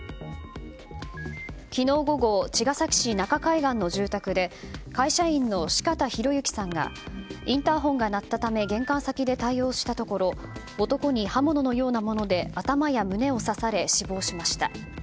昨日午後茅ヶ崎市中海岸の住宅で会社員の四方洋行さんがインターホンが鳴ったため玄関先で対応したところ男に刃物のようなもので頭や胸を刺され死亡しました。